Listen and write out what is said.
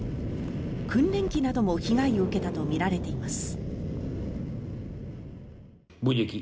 訓練機なども被害を受けたとみられています。